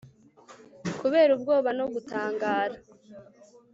Kubera ubwoba no gutangara